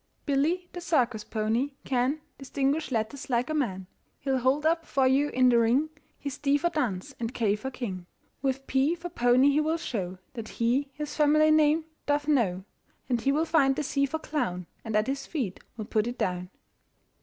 Billy, the circus pony, can Distinguish letters like a man: He'll hold up for you in the ring His D for Dunce and K for King. With P for Pony he will show That he his family name doth know; And he will find the C for clown And at his feet will put it down.